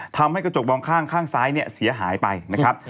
ทำให้กระจกมองข้างข้างซ้ายเนี่ยเสียหายไปนะครับ